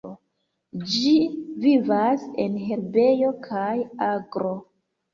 Ĝi vivas en herbejo kaj agro.